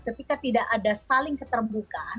ketika tidak ada saling keterbukaan